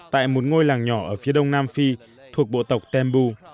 tại một ngôi làng nhỏ ở phía đông nam phi thuộc bộ tộc tembu